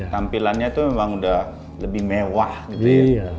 jadi tampilannya tuh memang udah lebih mewah gitu ya